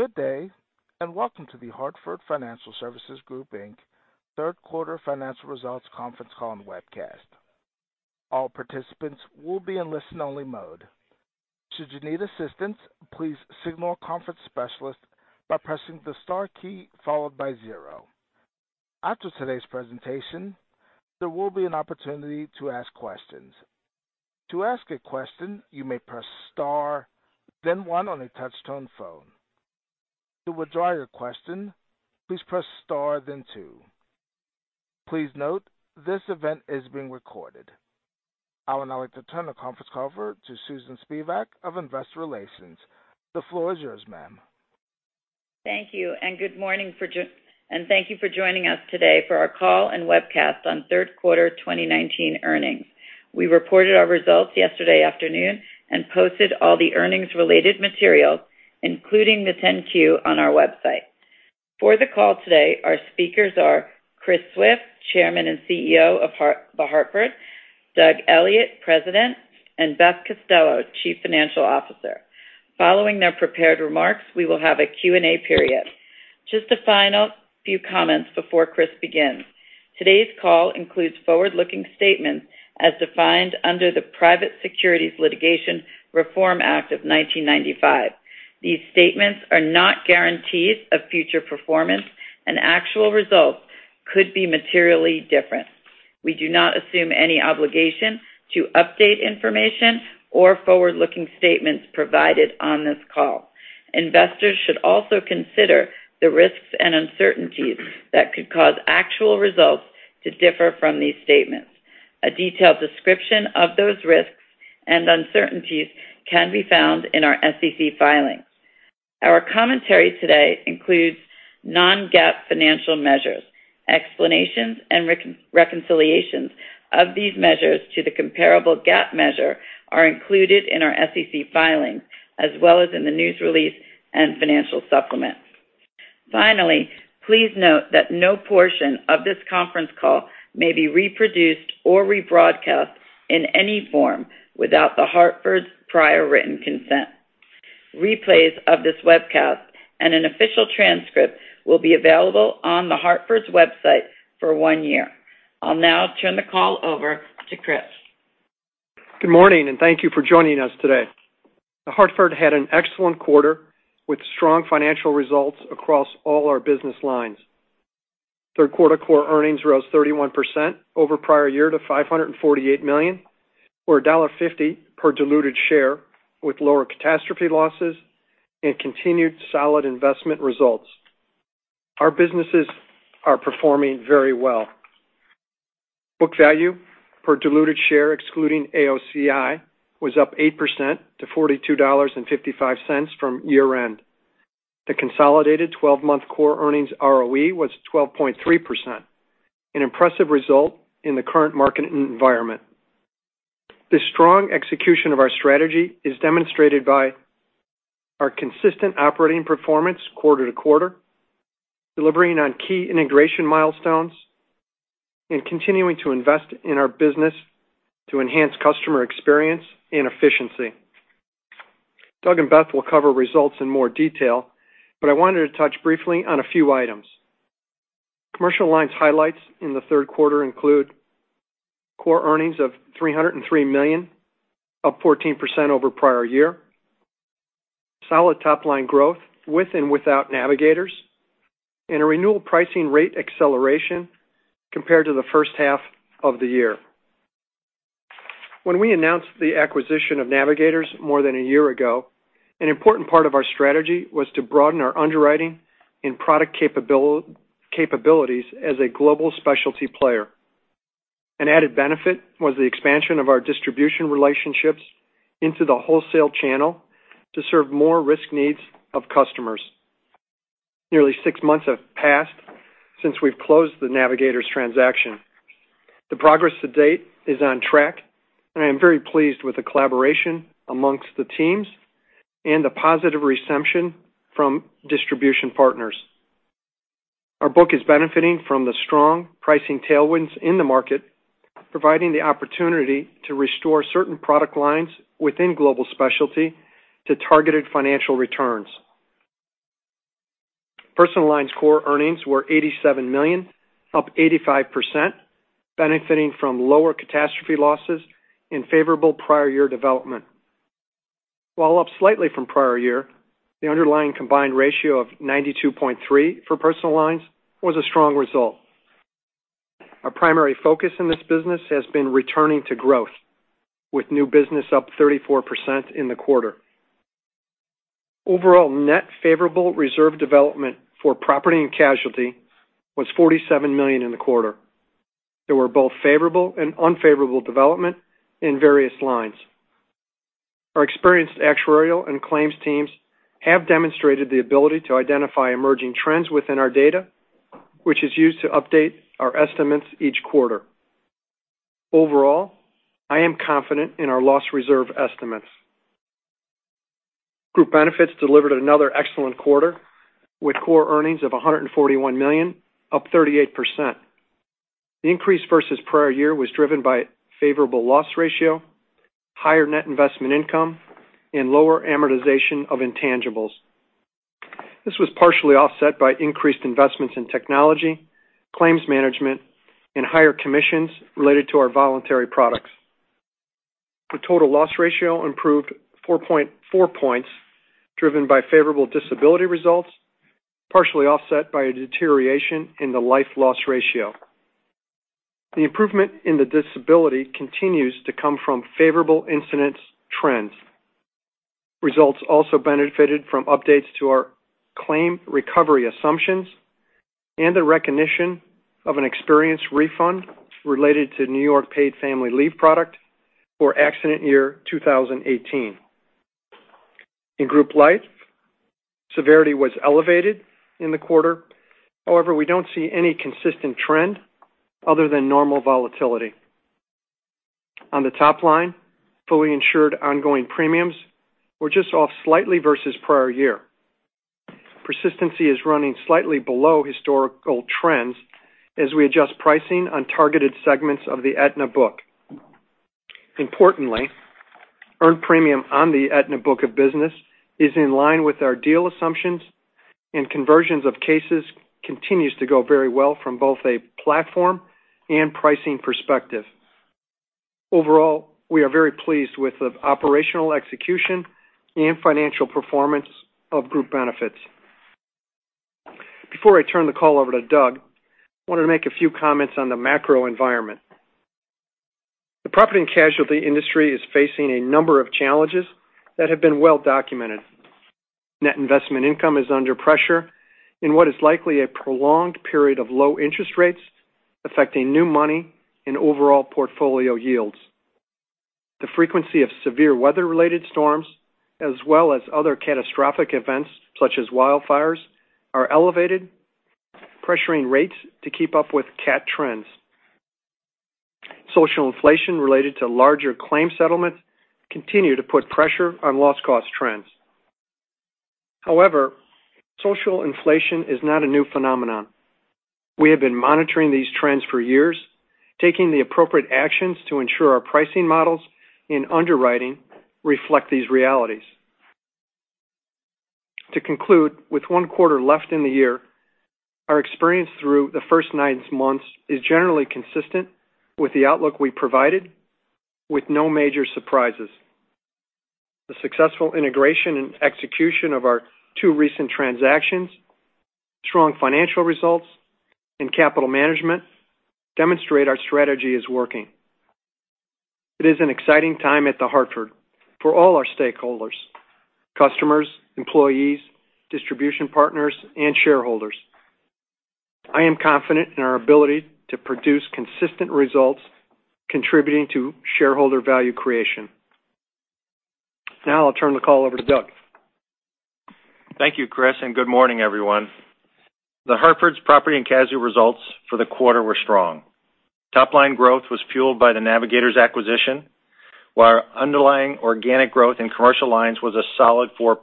Good day, and welcome to The Hartford Financial Services Group, Inc. third quarter financial results conference call and webcast. All participants will be in listen only mode. Should you need assistance, please signal a conference specialist by pressing the star key followed by zero. After today's presentation, there will be an opportunity to ask questions. To ask a question, you may press star, then one on a touch-tone phone. To withdraw your question, please press star then two. Please note this event is being recorded. I would now like to turn the conference call over to Susan Spivak of Investor Relations. The floor is yours, ma'am. Thank you. Thank you for joining us today for our call and webcast on third quarter 2019 earnings. We reported our results yesterday afternoon and posted all the earnings related material, including the 10-Q, on our website. For the call today, our speakers are Chris Swift, Chairman and CEO of The Hartford, Doug Elliot, President, and Beth Costello, Chief Financial Officer. Following their prepared remarks, we will have a Q&A period. Just a final few comments before Chris begins. Today's call includes forward-looking statements as defined under the Private Securities Litigation Reform Act of 1995. These statements are not guarantees of future performance. Actual results could be materially different. We do not assume any obligation to update information or forward-looking statements provided on this call. Investors should also consider the risks and uncertainties that could cause actual results to differ from these statements. A detailed description of those risks and uncertainties can be found in our SEC filings. Our commentary today includes non-GAAP financial measures. Explanations and reconciliations of these measures to the comparable GAAP measure are included in our SEC filings as well as in the news release and financial supplement. Finally, please note that no portion of this conference call may be reproduced or rebroadcast in any form without The Hartford's prior written consent. Replays of this webcast and an official transcript will be available on The Hartford's website for one year. I'll now turn the call over to Chris. Good morning. Thank you for joining us today. The Hartford had an excellent quarter with strong financial results across all our business lines. Third quarter core earnings rose 31% over prior year to $548 million or $1.50 per diluted share with lower catastrophe losses and continued solid investment results. Our businesses are performing very well. Book value per diluted share, excluding AOCI, was up 8% to $42.55 from year-end. The consolidated 12-month core earnings ROE was 12.3%, an impressive result in the current market environment. The strong execution of our strategy is demonstrated by our consistent operating performance quarter to quarter, delivering on key integration milestones, and continuing to invest in our business to enhance customer experience and efficiency. Doug and Beth will cover results in more detail. I wanted to touch briefly on a few items. Commercial Lines highlights in the third quarter include core earnings of $303 million, up 14% over prior year, solid top-line growth with and without Navigators, and a renewal pricing rate acceleration compared to the first half of the year. When we announced the acquisition of Navigators more than a year ago, an important part of our strategy was to broaden our underwriting and product capabilities as a Global Specialty player. An added benefit was the expansion of our distribution relationships into the wholesale channel to serve more risk needs of customers. Nearly six months have passed since we've closed the Navigators transaction. The progress to date is on track, and I am very pleased with the collaboration amongst the teams and the positive reception from distribution partners. Our book is benefiting from the strong pricing tailwinds in the market, providing the opportunity to restore certain product lines within Global Specialty to targeted financial returns. Personal Lines core earnings were $87 million, up 85%, benefiting from lower catastrophe losses and favorable prior year development. While up slightly from prior year, the underlying combined ratio of 92.3 for Personal Lines was a strong result. Our primary focus in this business has been returning to growth with new business up 34% in the quarter. Overall net favorable reserve development for property and casualty was $47 million in the quarter. There were both favorable and unfavorable development in various lines. Our experienced actuarial and claims teams have demonstrated the ability to identify emerging trends within our data, which is used to update our estimates each quarter. Overall, I am confident in our loss reserve estimates. Group Benefits delivered another excellent quarter with core earnings of $141 million up 38%. The increase versus prior year was driven by favorable loss ratio, higher net investment income, and lower amortization of intangibles. This was partially offset by increased investments in technology, claims management, and higher commissions related to our voluntary products. The total loss ratio improved 4.4 points, driven by favorable disability results, partially offset by a deterioration in the Group Life loss ratio. The improvement in the disability continues to come from favorable incidence trends. Results also benefited from updates to our claim recovery assumptions and the recognition of an experience refund related to New York Paid Family Leave product for accident year 2018. In Group Life, severity was elevated in the quarter. However, we don't see any consistent trend other than normal volatility. On the top line, fully insured ongoing premiums were just off slightly versus prior year. Persistency is running slightly below historical trends as we adjust pricing on targeted segments of the Aetna book. Importantly, earned premium on the Aetna book of business is in line with our deal assumptions, and conversions of cases continues to go very well from both a platform and pricing perspective. Overall, we are very pleased with the operational execution and financial performance of Group Benefits. Before I turn the call over to Doug, I wanted to make a few comments on the macro environment. The property and casualty industry is facing a number of challenges that have been well documented. Net investment income is under pressure in what is likely a prolonged period of low interest rates, affecting new money and overall portfolio yields. The frequency of severe weather related storms, as well as other catastrophic events such as wildfires, are elevated, pressuring rates to keep up with cat trends. Social inflation related to larger claim settlements continue to put pressure on loss cost trends. Social inflation is not a new phenomenon. We have been monitoring these trends for years, taking the appropriate actions to ensure our pricing models and underwriting reflect these realities. To conclude, with one quarter left in the year, our experience through the first nine months is generally consistent with the outlook we provided, with no major surprises. The successful integration and execution of our two recent transactions, strong financial results, and capital management demonstrate our strategy is working. It is an exciting time at The Hartford for all our stakeholders, customers, employees, distribution partners, and shareholders. I am confident in our ability to produce consistent results contributing to shareholder value creation. Now I'll turn the call over to Doug. Thank you, Chris, good morning, everyone. The Hartford's Property and Casualty results for the quarter were strong. Top line growth was fueled by the Navigators acquisition, while our underlying organic growth in Commercial Lines was a solid 4%.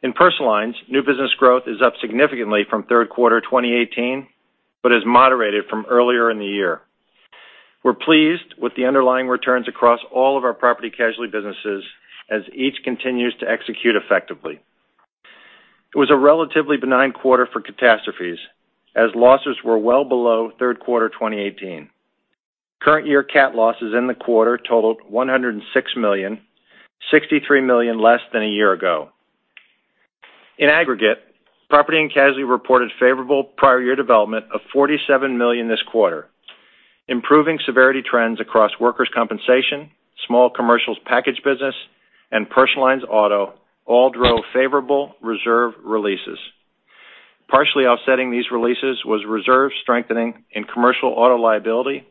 In Personal Lines, new business growth is up significantly from third quarter 2018, has moderated from earlier in the year. We're pleased with the underlying returns across all of our Property and Casualty businesses, as each continues to execute effectively. It was a relatively benign quarter for catastrophes, as losses were well below third quarter 2018. Current year cat losses in the quarter totaled $106 million, $63 million less than a year ago. In aggregate, Property and Casualty reported favorable prior year development of $47 million this quarter, improving severity trends across workers' compensation, small commercials package business, and Personal Lines auto all drove favorable reserve releases. Partially offsetting these releases was reserve strengthening in commercial auto liability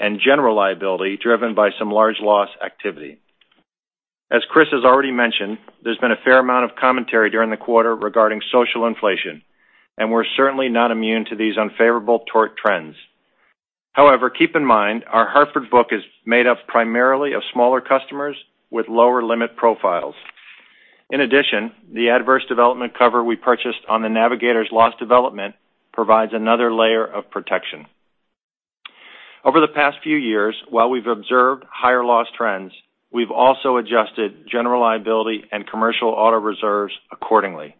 and general liability, driven by some large loss activity. As Chris has already mentioned, there's been a fair amount of commentary during the quarter regarding social inflation, we're certainly not immune to these unfavorable tort trends. Keep in mind our The Hartford book is made up primarily of smaller customers with lower limit profiles. The adverse development cover we purchased on the Navigators loss development provides another layer of protection. Over the past few years, while we've observed higher loss trends, we've also adjusted general liability and commercial auto reserves accordingly.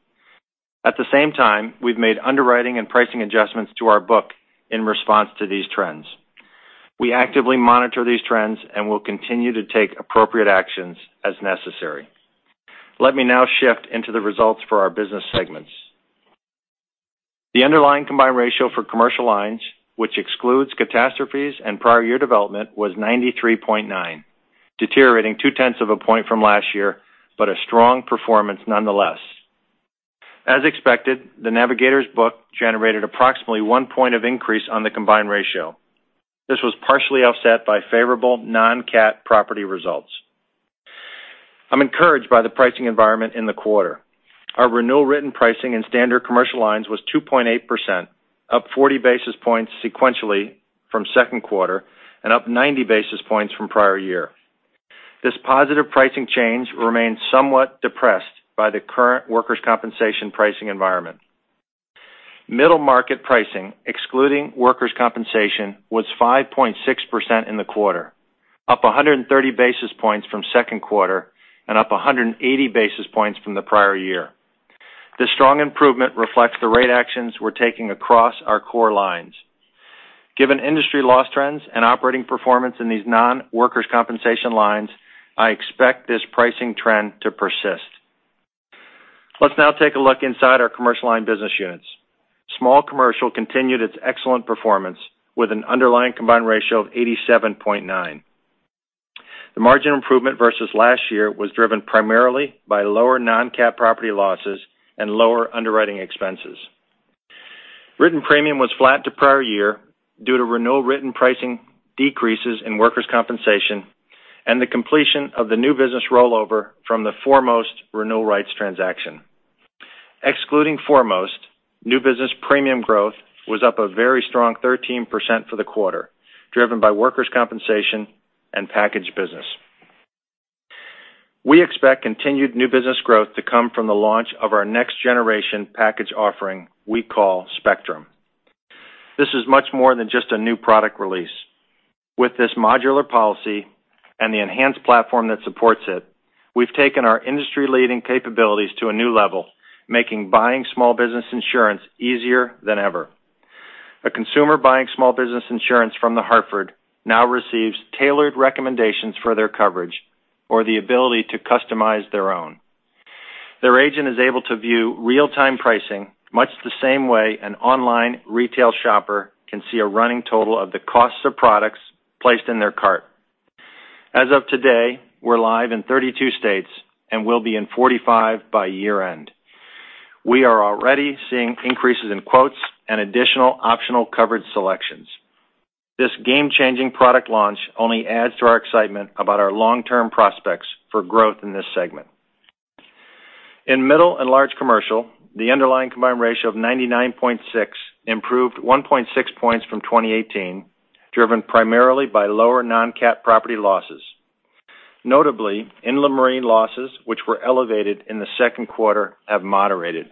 The same time, we've made underwriting and pricing adjustments to our book in response to these trends. We actively monitor these trends and will continue to take appropriate actions as necessary. Let me now shift into the results for our business segments. The underlying combined ratio for Commercial Lines, which excludes catastrophes and prior year development, was 93.9, deteriorating two-tenths of a point from last year, but a strong performance nonetheless. As expected, the Navigators book generated approximately one point of increase on the combined ratio. This was partially offset by favorable non-cat property results. I'm encouraged by the pricing environment in the quarter. Our renewal written pricing in standard Commercial Lines was 2.8%, up 40 basis points sequentially from second quarter and up 90 basis points from prior year. This positive pricing change remains somewhat depressed by the current workers' compensation pricing environment. Middle market pricing, excluding workers' compensation, was 5.6% in the quarter, up 130 basis points from second quarter and up 180 basis points from the prior year. This strong improvement reflects the rate actions we're taking across our core lines. Given industry loss trends and operating performance in these non-workers' compensation lines, I expect this pricing trend to persist. Let's now take a look inside our Commercial Lines business units. Small commercial continued its excellent performance with an underlying combined ratio of 87.9. The margin improvement versus last year was driven primarily by lower non-cap property losses and lower underwriting expenses. Written premium was flat to prior year due to renewal written pricing decreases in workers' compensation and the completion of the new business rollover from the Foremost renewal rights transaction. Excluding Foremost, new business premium growth was up a very strong 13% for the quarter, driven by workers' compensation and package business. We expect continued new business growth to come from the launch of our next-generation package offering we call Spectrum. This is much more than just a new product release. With this modular policy and the enhanced platform that supports it, we've taken our industry-leading capabilities to a new level, making buying small business insurance easier than ever. A consumer buying small business insurance from The Hartford now receives tailored recommendations for their coverage or the ability to customize their own. Their agent is able to view real-time pricing much the same way an online retail shopper can see a running total of the costs of products placed in their cart. As of today, we're live in 32 states and will be in 45 by year-end. We are already seeing increases in quotes and additional optional coverage selections. This game-changing product launch only adds to our excitement about our long-term prospects for growth in this segment. In middle and large commercial, the underlying combined ratio of 99.6 improved 1.6 points from 2018, driven primarily by lower non-cap property losses. Notably, inland marine losses, which were elevated in the second quarter, have moderated.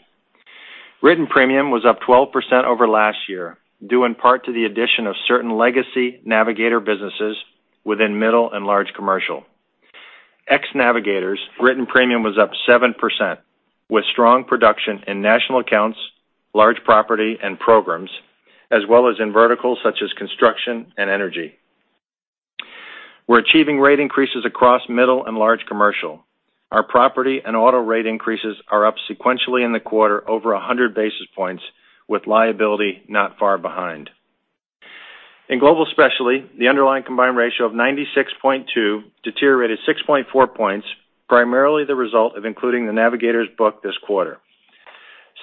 Written premium was up 12% over last year, due in part to the addition of certain legacy Navigator businesses within middle and large commercial. Ex-Navigators, written premium was up 7%, with strong production in national accounts, large property, and programs, as well as in verticals such as construction and energy. We're achieving rate increases across middle and large commercial. Our property and auto rate increases are up sequentially in the quarter over 100 basis points, with liability not far behind. In Global Specialty, the underlying combined ratio of 96.2 deteriorated 6.4 points, primarily the result of including the Navigator's book this quarter.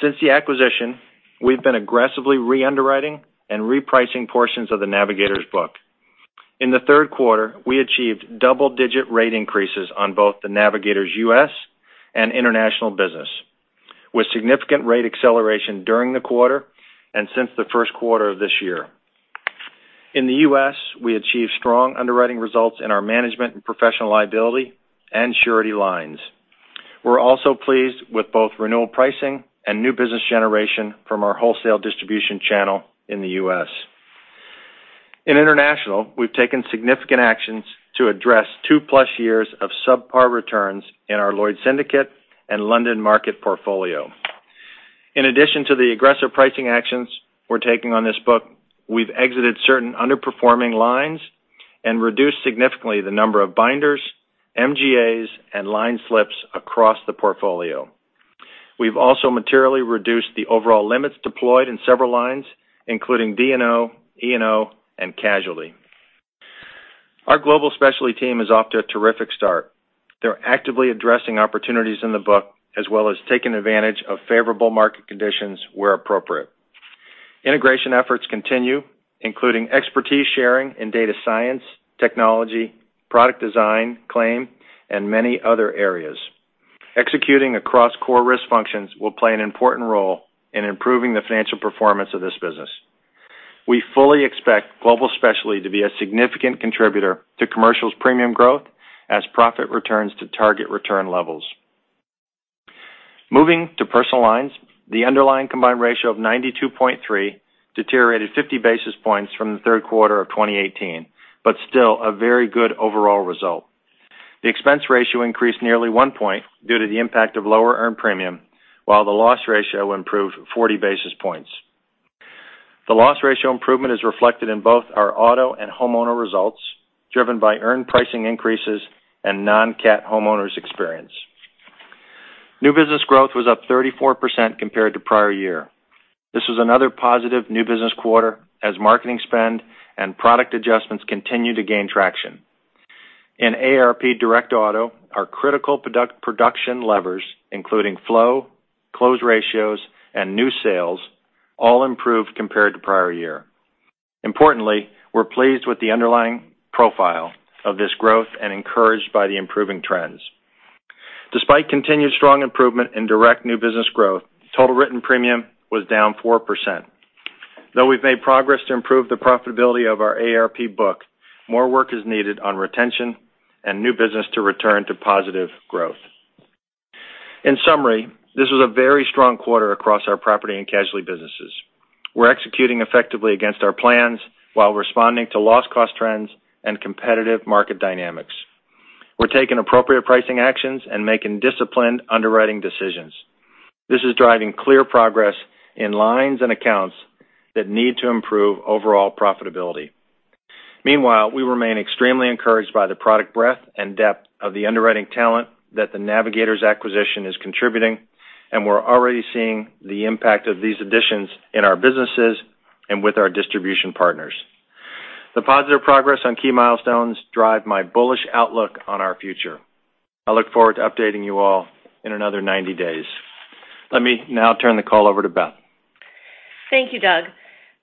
Since the acquisition, we've been aggressively re-underwriting and repricing portions of the Navigator's book. In the third quarter, we achieved double-digit rate increases on both the Navigators U.S. and international business, with significant rate acceleration during the quarter and since the first quarter of this year. In the U.S., we achieved strong underwriting results in our management and professional liability and surety lines. We're also pleased with both renewal pricing and new business generation from our wholesale distribution channel in the U.S. In international, we've taken significant actions to address two-plus years of subpar returns in our Lloyd's Syndicate and London Market portfolio. In addition to the aggressive pricing actions we're taking on this book, we've exited certain underperforming lines and reduced significantly the number of binders, MGAs, and line slips across the portfolio. We've also materially reduced the overall limits deployed in several lines, including D&O, E&O, and casualty. Our Global Specialty team is off to a terrific start. They're actively addressing opportunities in the book, as well as taking advantage of favorable market conditions where appropriate. Integration efforts continue, including expertise sharing in data science, technology, product design, claim, and many other areas. Executing across core risk functions will play an important role in improving the financial performance of this business. We fully expect Global Specialty to be a significant contributor to Commercial's premium growth as profit returns to target return levels. Moving to Personal Lines, the underlying combined ratio of 92.3% deteriorated 50 basis points from the third quarter of 2018, but still a very good overall result. The expense ratio increased nearly one point due to the impact of lower earned premium, while the loss ratio improved 40 basis points. The loss ratio improvement is reflected in both our auto and homeowner results, driven by earned pricing increases and non-cat homeowners experience. New business growth was up 34% compared to prior year. This was another positive new business quarter as marketing spend and product adjustments continue to gain traction. In AARP Direct Auto, our critical production levers, including flow, close ratios, and new sales, all improved compared to prior year. Importantly, we're pleased with the underlying profile of this growth and encouraged by the improving trends. Despite continued strong improvement in direct new business growth, total written premium was down 4%. Though we've made progress to improve the profitability of our AARP book, more work is needed on retention and new business to return to positive growth. In summary, this was a very strong quarter across our property and casualty businesses. We're executing effectively against our plans while responding to loss cost trends and competitive market dynamics. We're taking appropriate pricing actions and making disciplined underwriting decisions. This is driving clear progress in lines and accounts that need to improve overall profitability. Meanwhile, we remain extremely encouraged by the product breadth and depth of the underwriting talent that the Navigators acquisition is contributing, and we're already seeing the impact of these additions in our businesses and with our distribution partners. The positive progress on key milestones drive my bullish outlook on our future. I look forward to updating you all in another 90 days. Let me now turn the call over to Beth. Thank you, Doug.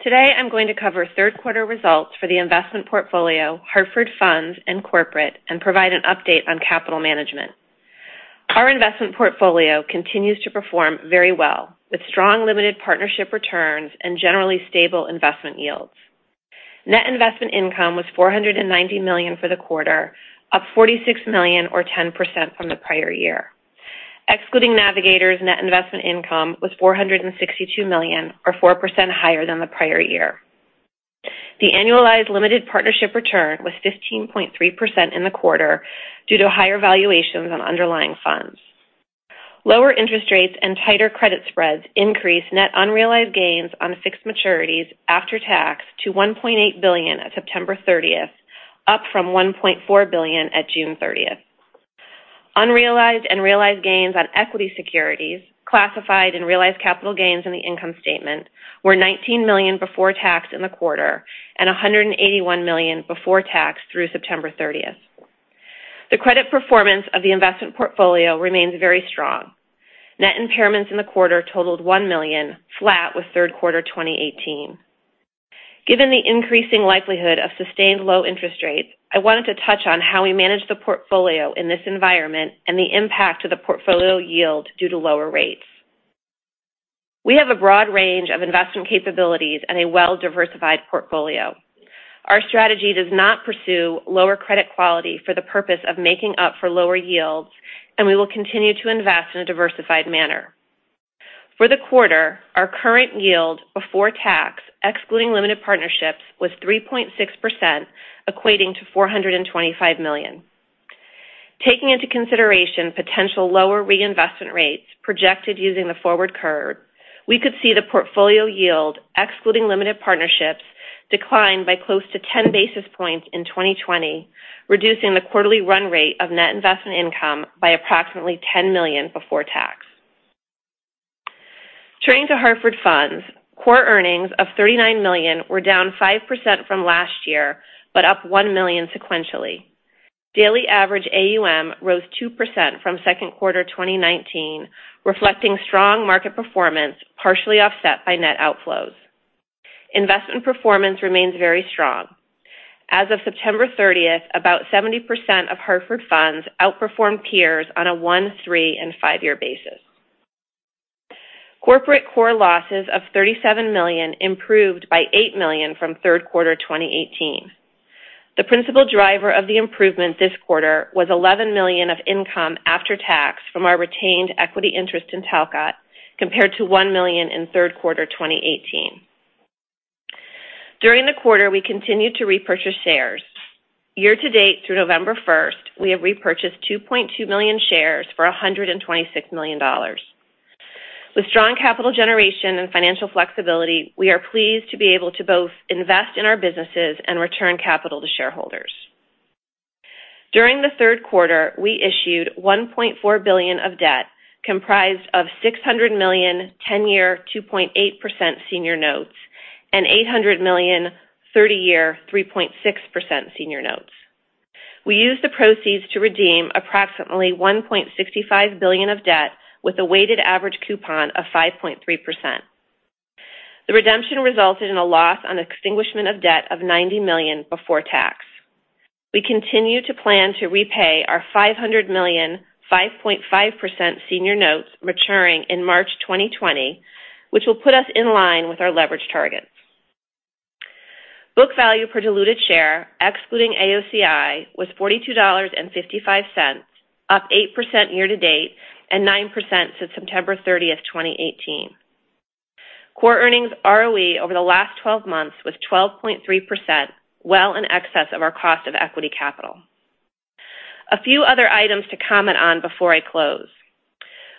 Today, I'm going to cover third quarter results for the investment portfolio, Hartford Funds, and corporate, and provide an update on capital management. Our investment portfolio continues to perform very well, with strong limited partnership returns and generally stable investment yields. Net investment income was $490 million for the quarter, up $46 million or 10% from the prior year. Excluding Navigators, net investment income was $462 million, or 4% higher than the prior year. The annualized limited partnership return was 15.3% in the quarter due to higher valuations on underlying funds. Lower interest rates and tighter credit spreads increased net unrealized gains on fixed maturities after tax to $1.8 billion at September 30th, up from $1.4 billion at June 30th. Unrealized and realized gains on equity securities classified in realized capital gains in the income statement were $19 million before tax in the quarter and $181 million before tax through September 30th. The credit performance of the investment portfolio remains very strong. Net impairments in the quarter totaled $1 million, flat with third quarter 2018. Given the increasing likelihood of sustained low interest rates, I wanted to touch on how we manage the portfolio in this environment and the impact to the portfolio yield due to lower rates. We have a broad range of investment capabilities and a well-diversified portfolio. Our strategy does not pursue lower credit quality for the purpose of making up for lower yields, and we will continue to invest in a diversified manner. For the quarter, our current yield before tax, excluding limited partnerships, was 3.6%, equating to $425 million. Taking into consideration potential lower reinvestment rates projected using the forward curve, we could see the portfolio yield, excluding limited partnerships, decline by close to 10 basis points in 2020, reducing the quarterly run rate of net investment income by approximately $10 million before tax. Turning to Hartford Funds, core earnings of $39 million were down 5% from last year, but up $1 million sequentially. Daily average AUM rose 2% from second quarter 2019, reflecting strong market performance, partially offset by net outflows. Investment performance remains very strong. As of September 30th, about 70% of Hartford Funds outperformed peers on a one, three, and five-year basis. Corporate core losses of $37 million improved by $8 million from third quarter 2018. The principal driver of the improvement this quarter was $11 million of income after tax from our retained equity interest in Talcott, compared to $1 million in third quarter 2018. During the quarter, we continued to repurchase shares. Year to date through November 1st, we have repurchased 2.2 million shares for $126 million. With strong capital generation and financial flexibility, we are pleased to be able to both invest in our businesses and return capital to shareholders. During the third quarter, we issued $1.4 billion of debt, comprised of $600 million 10-year, 2.8% senior notes and $800 million 30-year, 3.6% senior notes. We used the proceeds to redeem approximately $1.65 billion of debt with a weighted average coupon of 5.3%. The redemption resulted in a loss on extinguishment of debt of $90 million before tax. We continue to plan to repay our $500 million 5.5% senior notes maturing in March 2020, which will put us in line with our leverage targets. Book value per diluted share, excluding AOCI, was $42.55, up 8% year to date and 9% since September 30th, 2018. Core earnings ROE over the last 12 months was 12.3%, well in excess of our cost of equity capital. A few other items to comment on before I close.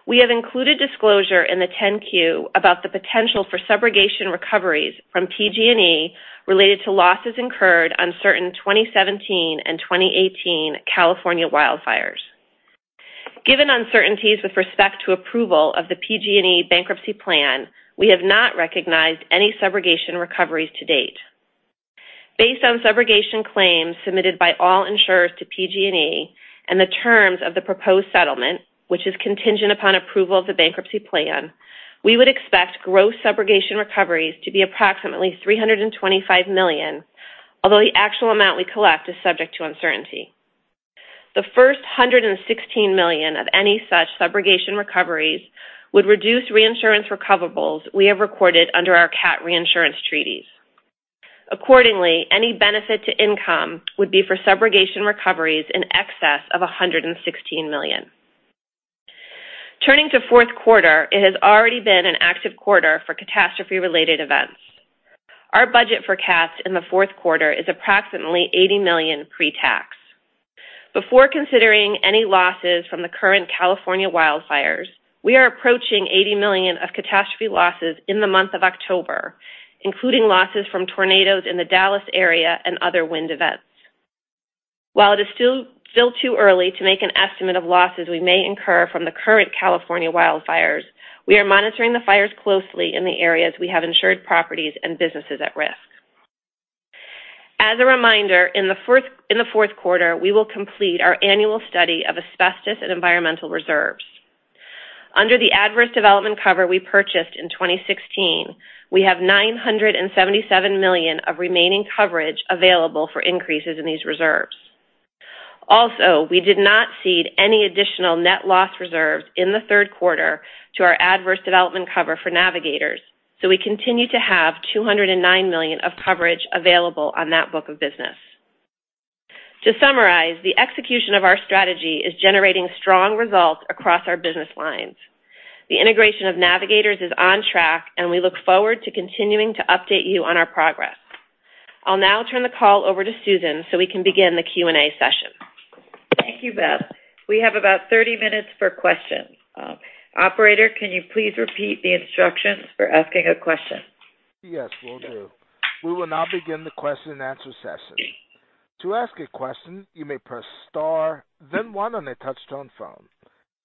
We have included disclosure in the 10-Q about the potential for subrogation recoveries from PG&E related to losses incurred on certain 2017 and 2018 California wildfires. Given uncertainties with respect to approval of the PG&E bankruptcy plan, we have not recognized any subrogation recoveries to date. Based on subrogation claims submitted by all insurers to PG&E and the terms of the proposed settlement, which is contingent upon approval of the bankruptcy plan, we would expect gross subrogation recoveries to be approximately $325 million, although the actual amount we collect is subject to uncertainty. The first $116 million of any such subrogation recoveries would reduce reinsurance recoverables we have recorded under our cat reinsurance treaties. Accordingly, any benefit to income would be for subrogation recoveries in excess of $116 million. Turning to fourth quarter, it has already been an active quarter for catastrophe-related events. Our budget for cat in the fourth quarter is approximately $80 million pre-tax. Before considering any losses from the current California wildfires, we are approaching $80 million of catastrophe losses in the month of October, including losses from tornadoes in the Dallas area and other wind events. While it is still too early to make an estimate of losses we may incur from the current California wildfires, we are monitoring the fires closely in the areas we have insured properties and businesses at risk. As a reminder, in the fourth quarter, we will complete our annual study of asbestos and environmental reserves. Under the adverse development cover we purchased in 2016, we have $977 million of remaining coverage available for increases in these reserves. Also, we did not cede any additional net loss reserves in the third quarter to our adverse development cover for Navigators, so we continue to have $209 million of coverage available on that book of business. To summarize, the execution of our strategy is generating strong results across our business lines. The integration of Navigators is on track, and we look forward to continuing to update you on our progress. I'll now turn the call over to Susan so we can begin the Q&A session. Thank you, Beth. We have about 30 minutes for questions. Operator, can you please repeat the instructions for asking a question? Yes, will do. We will now begin the question and answer session. To ask a question, you may press star, then one on a touch-tone phone.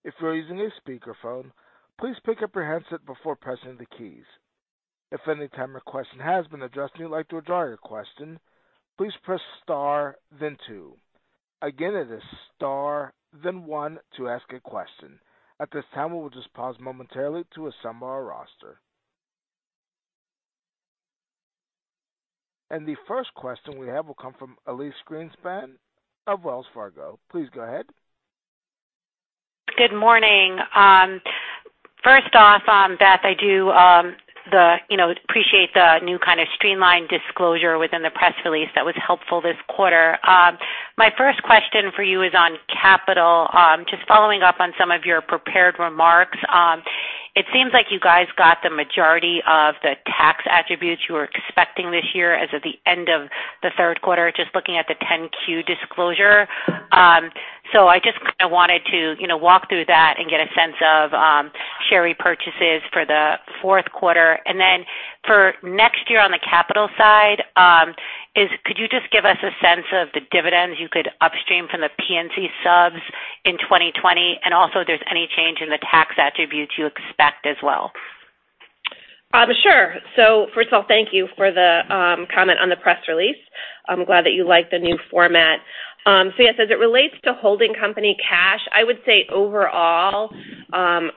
If you're using a speakerphone, please pick up your handset before pressing the keys. If any time your question has been addressed and you'd like to withdraw your question, please press star, then two. Again, it is star, then one to ask a question. At this time, we will just pause momentarily to assemble our roster. The first question we have will come from Elyse Greenspan of Wells Fargo. Please go ahead. Good morning. First off, Beth, I do appreciate the new kind of streamlined disclosure within the press release. That was helpful this quarter. My first question for you is on capital. Just following up on some of your prepared remarks. It seems like you guys got the majority of the tax attributes you were expecting this year as of the end of the third quarter, just looking at the 10-Q disclosure. I just kind of wanted to walk through that and get a sense of share repurchases for the fourth quarter. Then for next year on the capital side, could you just give us a sense of the dividends you could upstream from the P&C subs in 2020? Also if there's any change in the tax attributes you expect as well. Sure. First of all, thank you for the comment on the press release. I'm glad that you like the new format. Yes, as it relates to holding company cash, I would say overall,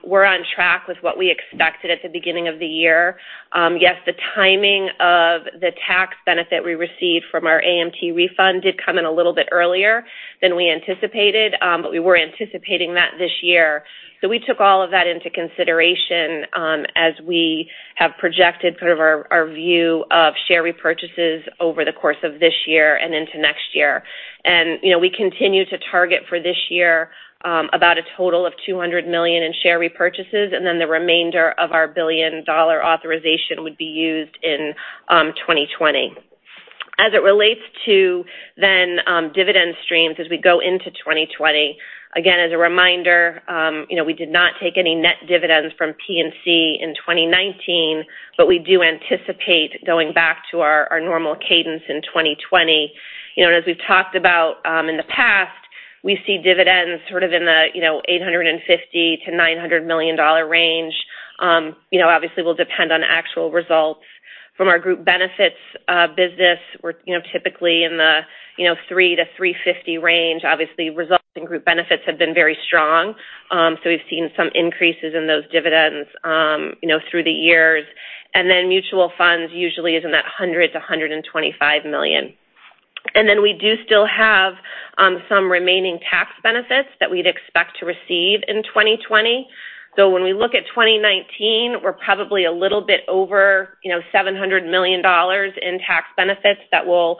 we're on track with what we expected at the beginning of the year. Yes, the timing of the tax benefit we received from our AMT refund did come in a little bit earlier than we anticipated. We were anticipating that this year. We took all of that into consideration as we have projected sort of our view of share repurchases over the course of this year and into next year. We continue to target for this year about a total of $200 million in share repurchases, and then the remainder of our billion-dollar authorization would be used in 2020. As it relates to dividend streams as we go into 2020, again, as a reminder, we did not take any net dividends from P&C in 2019, we do anticipate going back to our normal cadence in 2020. As we've talked about in the past, we see dividends sort of in the $850 million-$900 million range. Obviously, will depend on actual results from our Group Benefits business. We're typically in the $300 million-$350 million range. Obviously, results in Group Benefits have been very strong, we've seen some increases in those dividends through the years. Mutual Funds usually is in that $100 million-$125 million. We do still have some remaining tax benefits that we'd expect to receive in 2020. When we look at 2019, we're probably a little bit over $700 million in tax benefits that will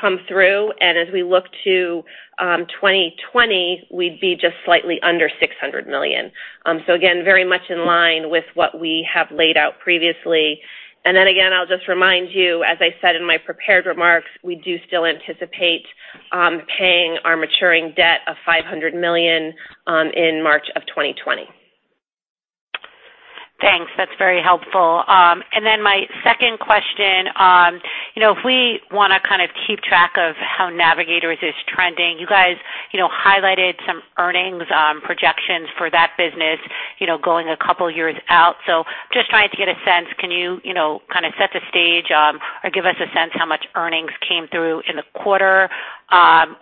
come through. As we look to 2020, we'd be just slightly under $600 million. Again, very much in line with what we have laid out previously. Again, I'll just remind you, as I said in my prepared remarks, we do still anticipate paying our maturing debt of $500 million in March of 2020. Thanks. That's very helpful. My second question. If we want to kind of keep track of how Navigators is trending, you guys highlighted some earnings projections for that business going a couple of years out. Just trying to get a sense, can you kind of set the stage or give us a sense how much earnings came through in the quarter?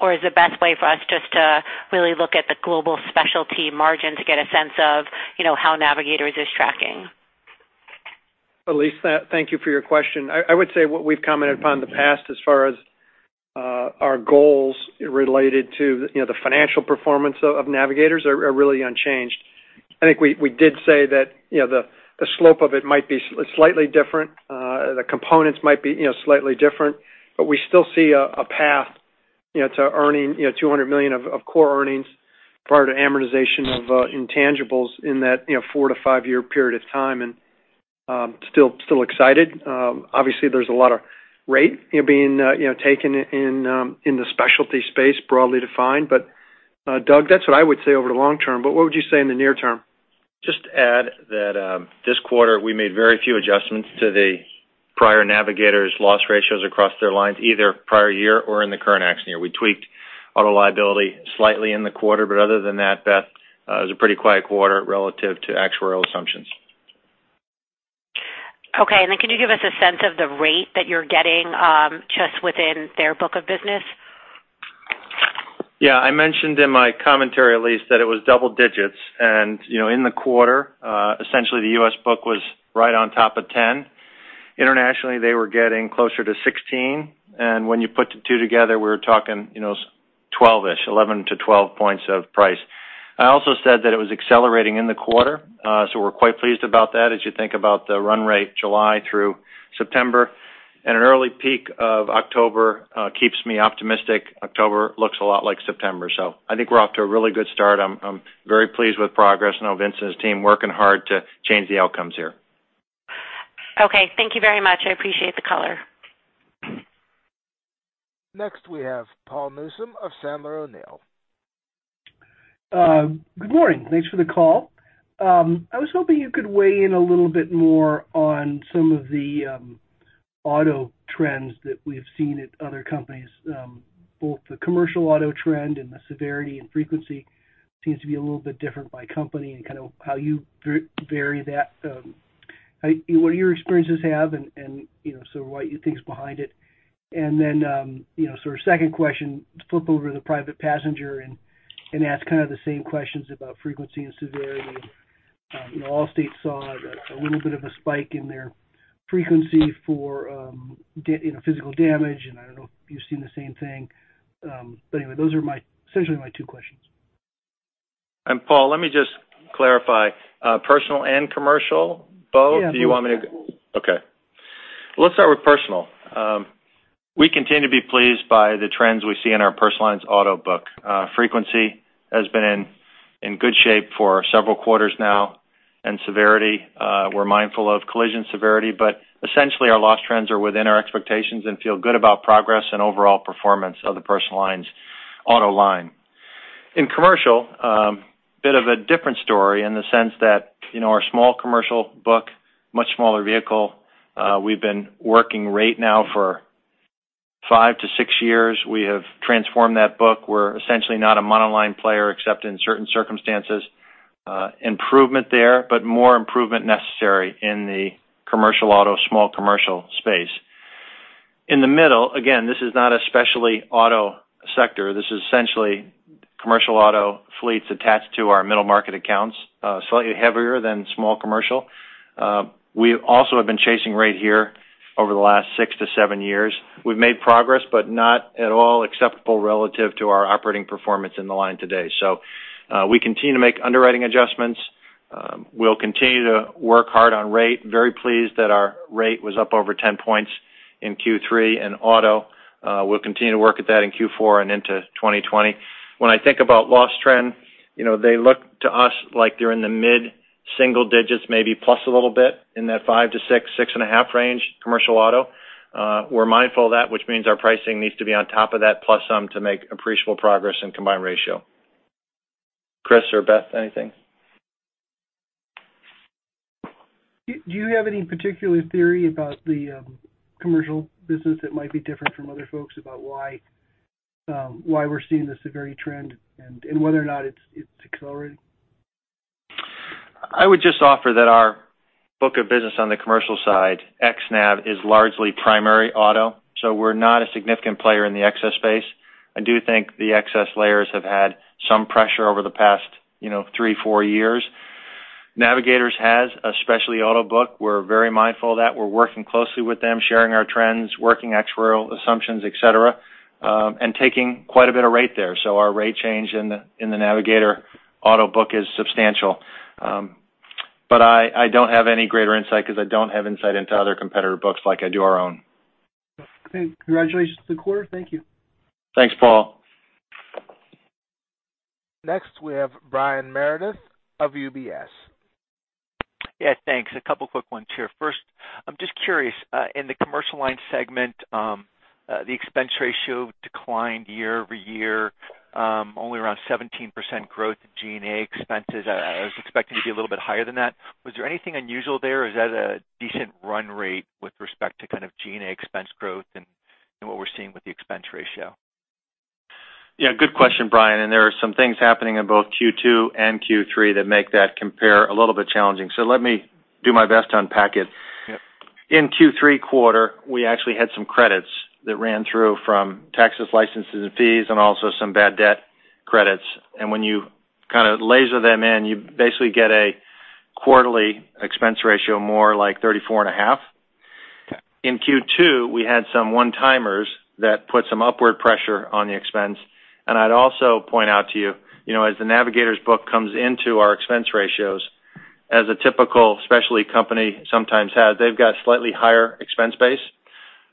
Or is the best way for us just to really look at the Global Specialty margin to get a sense of how Navigators is tracking? Elyse, thank you for your question. I would say what we've commented upon in the past as far as our goals related to the financial performance of Navigators are really unchanged. I think we did say that the slope of it might be slightly different, the components might be slightly different, but we still see a path to earning $200 million of core earnings prior to amortization of intangibles in that 4- to 5-year period of time, and still excited. Obviously, there's a lot of rate being taken in the specialty space, broadly defined. Doug, that's what I would say over the long term. What would you say in the near term? Just to add that this quarter, we made very few adjustments to the prior Navigators loss ratios across their lines, either prior year or in the current accident year. We tweaked auto liability slightly in the quarter, but other than that, Beth, it was a pretty quiet quarter relative to actuarial assumptions. Okay. Then could you give us a sense of the rate that you're getting just within their book of business? Yeah. I mentioned in my commentary, Elyse, that it was double digits. In the quarter, essentially, the U.S. book was right on top of 10. Internationally, they were getting closer to 16. When you put the two together, we're talking 12-ish, 11-12 points of price. I also said that it was accelerating in the quarter, we're quite pleased about that as you think about the run rate July through September. An early peek of October keeps me optimistic. October looks a lot like September. I think we're off to a really good start. I'm very pleased with progress. I know Vince and his team are working hard to change the outcomes here. Okay. Thank you very much. I appreciate the color. Next, we have Paul Newsome of Sandler O'Neill. Good morning. Thanks for the call. I was hoping you could weigh in a little bit more on some of the auto trends that we've seen at other companies, both the Commercial auto trend and the severity and frequency seems to be a little bit different by company and kind of how you vary that. What are your experiences have, and sort of what you think is behind it. Then, sort of second question, flip over to the private passenger and ask kind of the same questions about frequency and severity. Allstate saw a little bit of a spike in their frequency for physical damage, and I don't know if you've seen the same thing. Anyway, those are essentially my two questions. Paul, let me just clarify. Personal and Commercial, both? Yeah. Okay. Let's start with personal. We continue to be pleased by the trends we see in our Personal Lines auto book. Frequency has been in good shape for several quarters now, and severity, we're mindful of collision severity, but essentially our loss trends are within our expectations and feel good about progress and overall performance of the Personal Lines auto line. In Commercial, bit of a different story in the sense that our small Commercial book, much smaller vehicle, we've been working rate now for 5-6 years. We have transformed that book. We're essentially not a monoline player except in certain circumstances. Improvement there, more improvement necessary in the Commercial auto, small Commercial space. In the middle, again, this is not a specialty auto sector. This is essentially Commercial auto fleets attached to our middle market accounts, slightly heavier than small Commercial. We also have been chasing rate here over the last 6-7 years. We've made progress, but not at all acceptable relative to our operating performance in the line today. We continue to make underwriting adjustments. We'll continue to work hard on rate. Very pleased that our rate was up over 10 points in Q3 in auto. We'll continue to work at that in Q4 and into 2020. When I think about loss trend, they look to us like they're in the mid-single digits, maybe plus a little bit in that 5-6, 6.5 range Commercial auto. We're mindful of that, which means our pricing needs to be on top of that plus some to make appreciable progress in combined ratio. Chris or Beth, anything? Do you have any particular theory about the commercial business that might be different from other folks about why we're seeing the severity trend and whether or not it's accelerating? I would just offer that our book of business on the commercial side, xNav, is largely primary auto, so we're not a significant player in the excess space. I do think the excess layers have had some pressure over the past three, four years. Navigators has a specialty auto book. We're very mindful of that. We're working closely with them, sharing our trends, working actuarial assumptions, et cetera, and taking quite a bit of rate there. Our rate change in the Navigators auto book is substantial. I don't have any greater insight because I don't have insight into other competitor books like I do our own. Okay. Congratulations on the quarter. Thank you. Thanks, Paul. Next we have Brian Meredith of UBS. Yeah, thanks. A couple quick ones here. First, I'm just curious. In the Commercial Lines segment, the expense ratio declined year-over-year, only around 17% growth in G&A expenses. I was expecting it to be a little bit higher than that. Was there anything unusual there, or is that a decent run rate with respect to kind of G&A expense growth and what we're seeing with the expense ratio? Yeah, good question, Brian. There are some things happening in both Q2 and Q3 that make that compare a little bit challenging. Let me do my best to unpack it. Yeah. In Q3 quarter, we actually had some credits that ran through from taxes, licenses, and fees, and also some bad debt credits. When you kind of laser them in, you basically get a quarterly expense ratio, more like 34.5. In Q2, we had some one-timers that put some upward pressure on the expense. I'd also point out to you, as the Navigators book comes into our expense ratios, as a typical specialty company sometimes has, they've got a slightly higher expense base.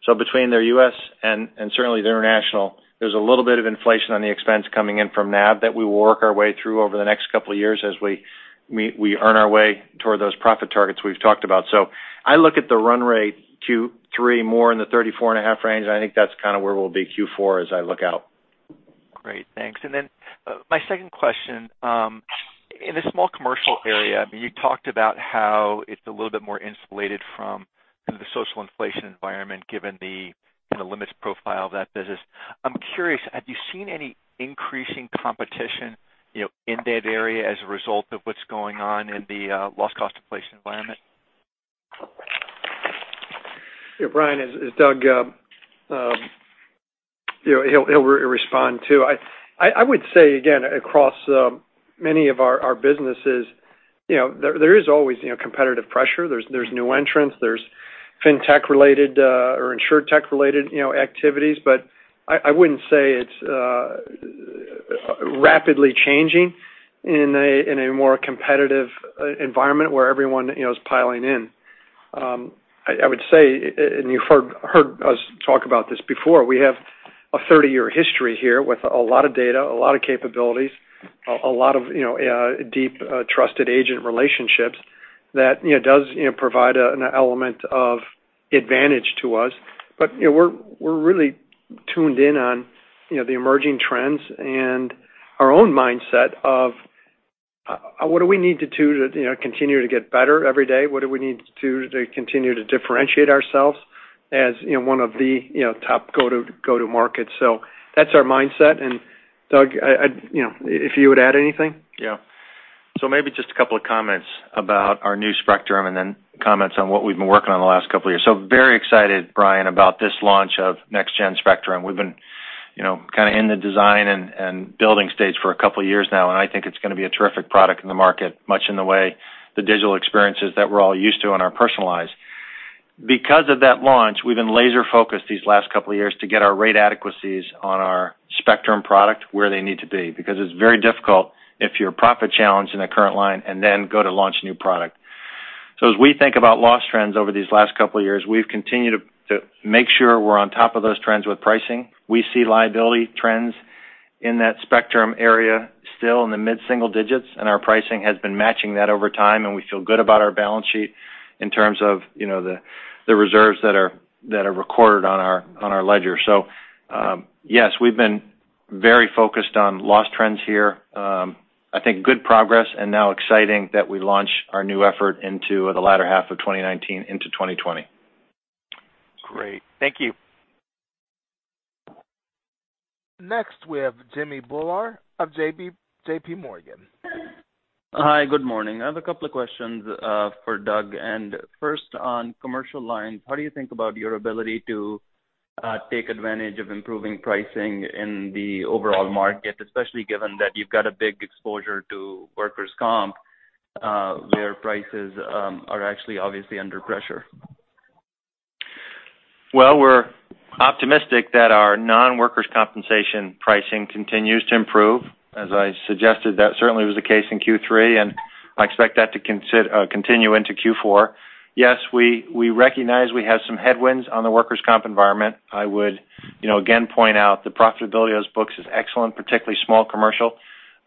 So between their U.S. and certainly their international, there's a little bit of inflation on the expense coming in from Nav that we will work our way through over the next couple of years as we earn our way toward those profit targets we've talked about. I look at the run rate Q3 more in the 34.5 range, and I think that's kind of where we'll be Q4 as I look out. Great. Thanks. My second question, in the small commercial area, you talked about how it's a little bit more insulated from kind of the social inflation environment, given the limits profile of that business. I'm curious, have you seen any increasing competition in that area as a result of what's going on in the loss cost inflation environment? Yeah, Brian, as Doug, he'll respond, too. I would say again, across many of our businesses, there is always competitive pressure. There's new entrants, there's fintech related or insurtech related activities. I wouldn't say it's rapidly changing in a more competitive environment where everyone is piling in. I would say, and you've heard us talk about this before, we have a 30-year history here with a lot of data, a lot of capabilities, a lot of deep trusted agent relationships that does provide an element of advantage to us. We're really tuned in on the emerging trends and our own mindset of what do we need to do to continue to get better every day? What do we need to do to continue to differentiate ourselves as one of the top go-to markets? That's our mindset, and Doug, if you would add anything. Yeah. Maybe just a couple of comments about our new Spectrum and then comments on what we've been working on the last couple of years. Very excited, Brian, about this launch of next gen Spectrum. We've been kind of in the design and building stage for a couple of years now, and I think it's going to be a terrific product in the market, much in the way the digital experiences that we're all used to and are personalized. Because of that launch, we've been laser focused these last couple of years to get our rate adequacies on our Spectrum product where they need to be, because it's very difficult if you're profit challenged in the current line and then go to launch a new product. As we think about loss trends over these last couple of years, we've continued to make sure we're on top of those trends with pricing. We see liability trends in that Spectrum area still in the mid-single digits, and our pricing has been matching that over time, and we feel good about our balance sheet in terms of the reserves that are recorded on our ledger. Yes, we've been very focused on loss trends here. I think good progress and now exciting that we launch our new effort into the latter half of 2019 into 2020. Great. Thank you. Next we have Jimmy Bhullar of J.P. Morgan. Hi. Good morning. I have a couple of questions for Doug. First, on Commercial Lines, how do you think about your ability to take advantage of improving pricing in the overall market, especially given that you've got a big exposure to workers' comp, where prices are actually obviously under pressure? Well, we're optimistic that our non-workers' compensation pricing continues to improve. As I suggested, that certainly was the case in Q3, I expect that to continue into Q4. Yes, we recognize we have some headwinds on the workers' comp environment. I would again point out the profitability of those books is excellent, particularly small Commercial.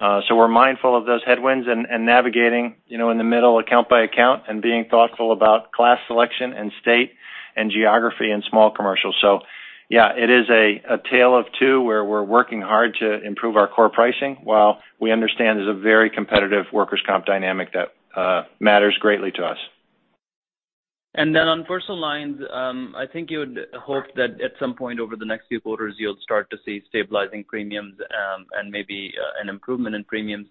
We're mindful of those headwinds and navigating in the middle account by account and being thoughtful about class selection and state and geography in small Commercial. Yeah, it is a tale of two where we're working hard to improve our core pricing, while we understand there's a very competitive workers' comp dynamic that matters greatly to us. On Personal Lines, I think you would hope that at some point over the next few quarters, you'll start to see stabilizing premiums and maybe an improvement in premiums.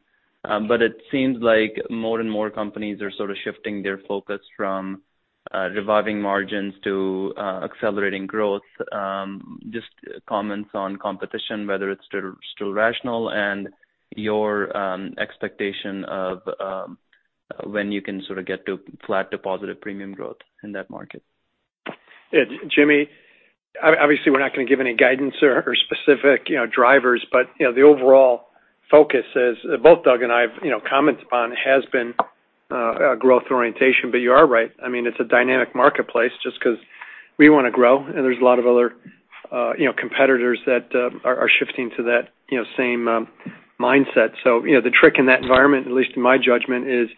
It seems like more and more companies are sort of shifting their focus from reviving margins to accelerating growth. Just comments on competition, whether it's still rational and your expectation of when you can sort of get to flat to positive premium growth in that market. Jimmy, obviously, we're not going to give any guidance or specific drivers. The overall focus is, both Doug and I have commented upon, has been growth orientation. You are right. It's a dynamic marketplace just because we want to grow, and there's a lot of other competitors that are shifting to that same mindset. The trick in that environment, at least in my judgment, is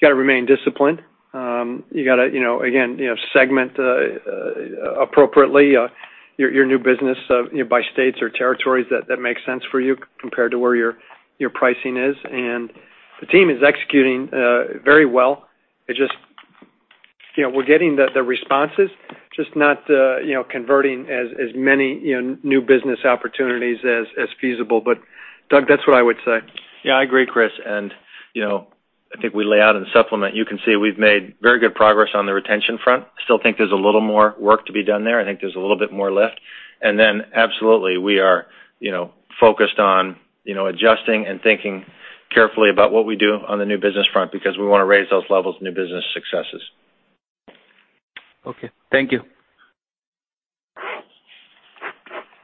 you got to remain disciplined. You got to, again, segment appropriately your new business by states or territories that makes sense for you compared to where your pricing is. The team is executing very well. We're getting the responses, just not converting as many new business opportunities as feasible. Doug, that's what I would say. Yeah, I agree, Chris. I think we lay out in supplement, you can see we've made very good progress on the retention front. Still think there's a little more work to be done there. I think there's a little bit more left. Absolutely, we are focused on adjusting and thinking carefully about what we do on the new business front because we want to raise those levels of new business successes. Okay. Thank you.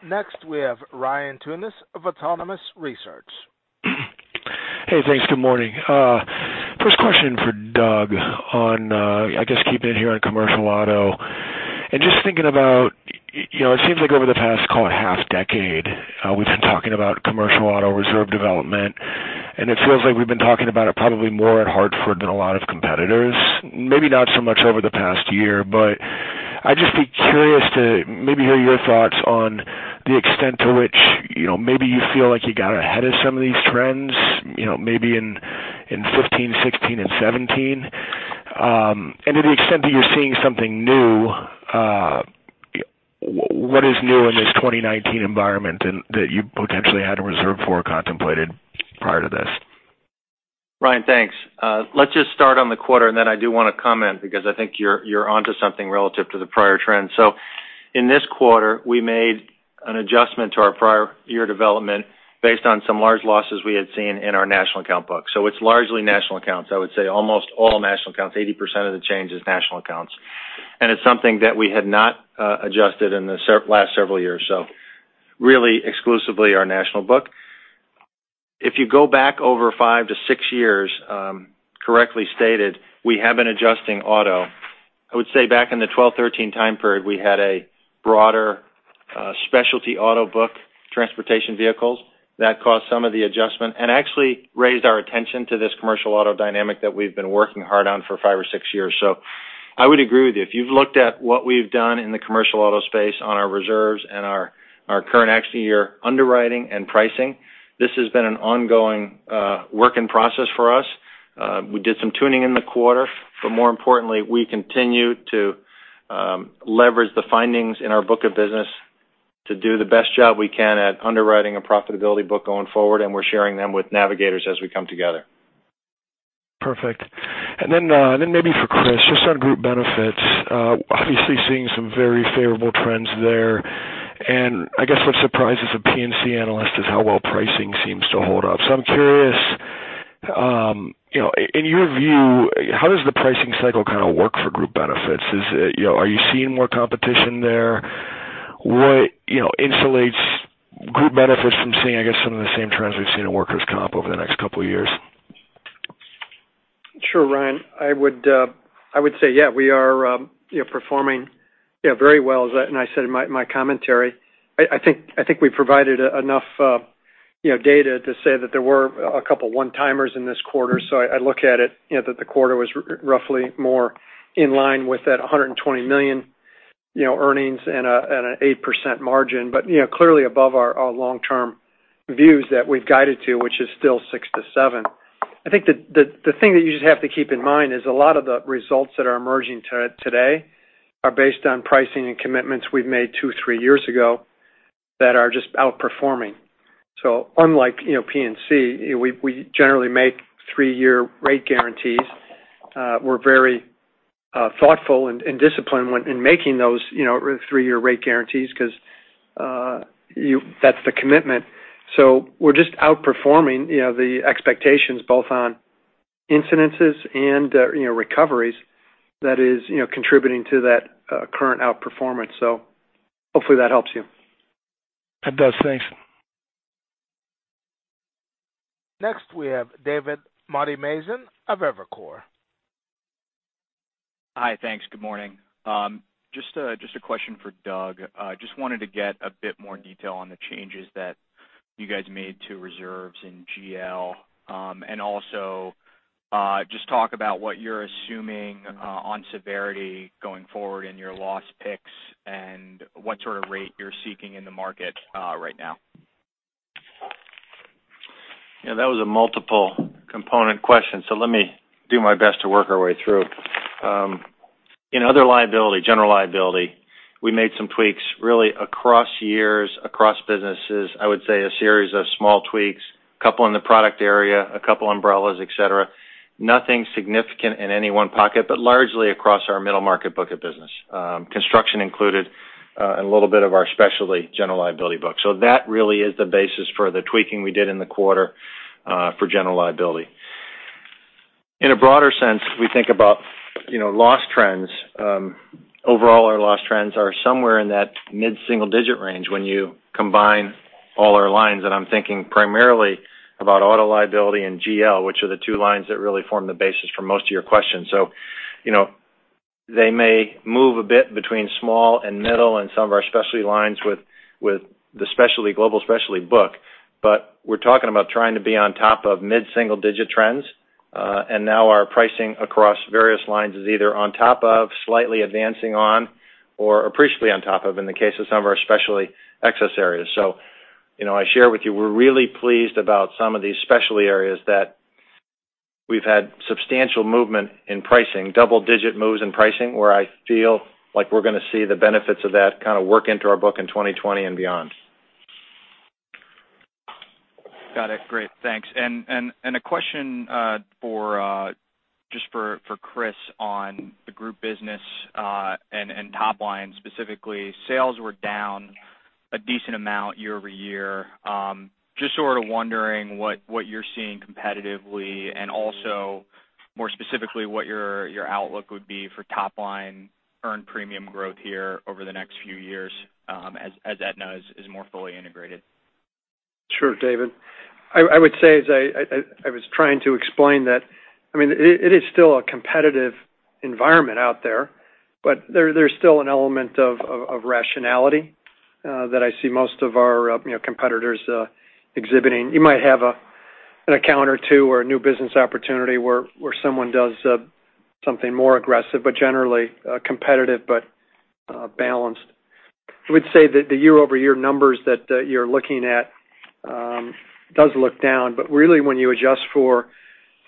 Next, we have Ryan Tunis of Autonomous Research. Hey, thanks. Good morning. First question for Doug on, I guess keeping it here on commercial auto, just thinking about, it seems like over the past call it half decade, we've been talking about commercial auto reserve development, and it feels like we've been talking about it probably more at The Hartford than a lot of competitors, maybe not so much over the past year. I'd just be curious to maybe hear your thoughts on the extent to which maybe you feel like you got ahead of some of these trends, maybe in 2015, 2016, and 2017. To the extent that you're seeing something new, what is new in this 2019 environment, and that you potentially had to reserve for or contemplated prior to this? Ryan, thanks. Let's just start on the quarter, then I do want to comment because I think you're onto something relative to the prior trend. In this quarter, we made an adjustment to our prior year development based on some large losses we had seen in our national account book. It's largely national accounts. I would say almost all national accounts, 80% of the change is national accounts. It's something that we had not adjusted in the last several years. Really exclusively our national book. If you go back over five to six years, correctly stated, we have been adjusting auto. I would say back in the 2012, 2013 time period, we had a broader specialty auto book, transportation vehicles. That caused some of the adjustment and actually raised our attention to this commercial auto dynamic that we've been working hard on for five or six years. I would agree with you. If you've looked at what we've done in the commercial auto space on our reserves and our current actually year underwriting and pricing, this has been an ongoing work in process for us. We did some tuning in the quarter, but more importantly, we continue to leverage the findings in our book of business to do the best job we can at underwriting a profitability book going forward, and we're sharing them with Navigators as we come together. Perfect. Then maybe for Chris, just on Group Benefits, obviously seeing some very favorable trends there. I guess what surprises a P&C analyst is how well pricing seems to hold up. I'm curious, in your view, how does the pricing cycle kind of work for Group Benefits? Are you seeing more competition there? What insulates Group Benefits from seeing, I guess, some of the same trends we've seen in workers' comp over the next couple of years? Sure, Ryan. I would say, yeah, we are performing very well, as I said in my commentary. I think I provided enough data to say that there were a couple one-timers in this quarter. I look at it that the quarter was roughly more in line with that $120 million earnings and an 8% margin, but clearly above our long-term views that we've guided to, which is still 6%-7%. I think the thing that you just have to keep in mind is a lot of the results that are emerging today are based on pricing and commitments we've made two, three years ago that are just outperforming. Unlike P&C, we generally make 3-year rate guarantees. We're very thoughtful and disciplined in making those 3-year rate guarantees because that's the commitment. We're just outperforming the expectations both on incidences and recoveries that is contributing to that current outperformance. Hopefully that helps you. It does. Thanks. Next we have David Motemaden of Evercore. Hi. Thanks. Good morning. Just a question for Doug. Just wanted to get a bit more detail on the changes that you guys made to reserves in GL. Also just talk about what you're assuming on severity going forward in your loss picks and what sort of rate you're seeking in the market right now. Yeah, that was a multiple component question, let me do my best to work our way through. In other liability, general liability, we made some tweaks really across years, across businesses. I would say a series of small tweaks, couple in the product area, a couple umbrellas, et cetera. Nothing significant in any one pocket, but largely across our middle market book of business. Construction included, a little bit of our specialty general liability book. That really is the basis for the tweaking we did in the quarter for general liability. In a broader sense, we think about loss trends. Overall, our loss trends are somewhere in that mid-single digit range when you combine all our lines, and I'm thinking primarily about auto liability and GL, which are the two lines that really form the basis for most of your questions. They may move a bit between small and middle in some of our specialty lines with the Global Specialty book. We're talking about trying to be on top of mid-single-digit trends. Now our pricing across various lines is either on top of, slightly advancing on, or appreciably on top of, in the case of some of our specialty excess areas. I share with you, we're really pleased about some of these specialty areas that we've had substantial movement in pricing, double-digit moves in pricing, where I feel like we're going to see the benefits of that kind of work into our book in 2020 and beyond. Got it. Great. Thanks. A question just for Chris on the Group Benefits, and top-line specifically. Sales were down a decent amount year-over-year. Just sort of wondering what you're seeing competitively and also more specifically, what your outlook would be for top-line earned premium growth here over the next few years, as Aetna is more fully integrated. Sure, David. I would say as I was trying to explain that, it is still a competitive environment out there's still an element of rationality that I see most of our competitors exhibiting. You might have an account or two or a new business opportunity where someone does something more aggressive, generally competitive but balanced. I would say that the year-over-year numbers that you're looking at does look down. Really when you adjust for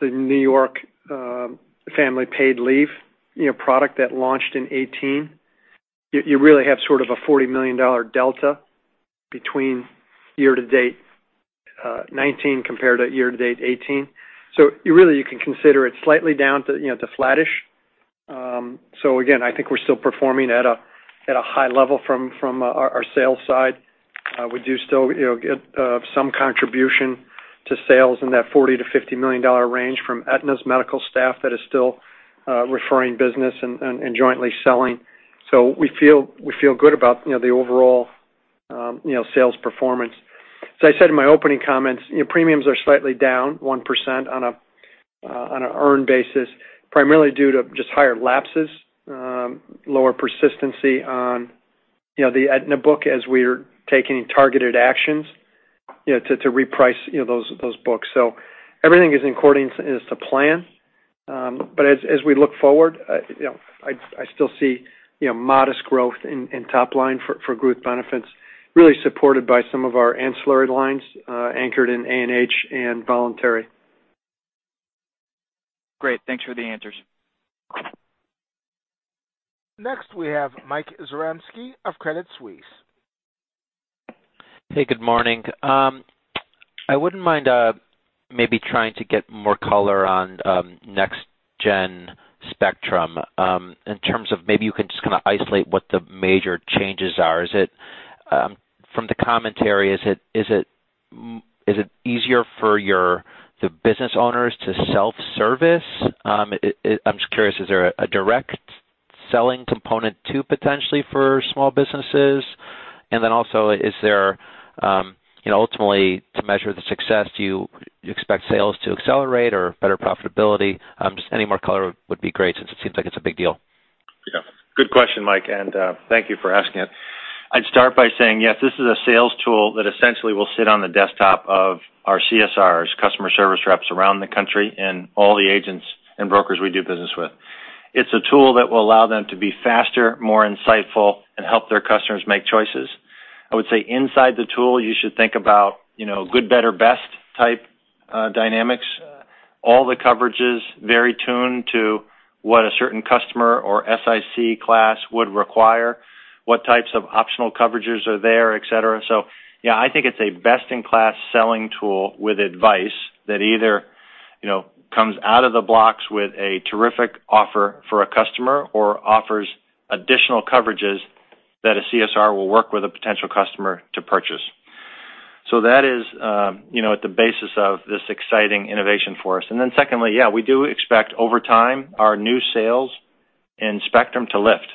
the New York Paid Family Leave product that launched in 2018, you really have sort of a $40 million delta between year to date 2019 compared to year to date 2018. Really, you can consider it slightly down to flattish. Again, I think we're still performing at a high level from our sales side. We do still get some contribution to sales in that $40 million-$50 million range from Aetna's medical staff that is still referring business and jointly selling. We feel good about the overall sales performance. As I said in my opening comments, premiums are slightly down 1% on an earned basis, primarily due to just higher lapses, lower persistency on the Aetna book as we're taking targeted actions to reprice those books. Everything is according to plan. As we look forward, I still see modest growth in top-line for Group Benefits really supported by some of our ancillary lines, anchored in A&H and voluntary. Great. Thanks for the answers. Next, we have Michael Zaremski of Credit Suisse. Hey, good morning. I wouldn't mind maybe trying to get more color on Next Gen Spectrum, in terms of maybe you can just kind of isolate what the major changes are. From the commentary, is it easier for the business owners to self-service? I'm just curious, is there a direct selling component too, potentially for small businesses? Then also, ultimately to measure the success, do you expect sales to accelerate or better profitability? Just any more color would be great since it seems like it's a big deal. Yeah. Good question, Mike, and thank you for asking it. I'd start by saying, yes, this is a sales tool that essentially will sit on the desktop of our CSRs, customer service reps around the country and all the agents and brokers we do business with. It's a tool that will allow them to be faster, more insightful, and help their customers make choices. I would say inside the tool, you should think about good, better, best type dynamics. All the coverage is very tuned to what a certain customer or SIC class would require, what types of optional coverages are there, et cetera. Yeah, I think it's a best-in-class selling tool with advice that either comes out of the blocks with a terrific offer for a customer or offers additional coverages that a CSR will work with a potential customer to purchase. That is at the basis of this exciting innovation for us. Secondly, yeah, we do expect over time our new sales in Spectrum to lift.